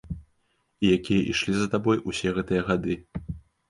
І якія ішлі за табой усе гэтыя гады.